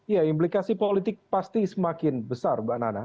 ya implikasi politik pasti semakin besar mbak nana